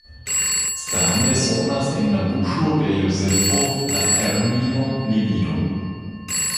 Strange sonas en la buŝo de Jozefo la termino libido.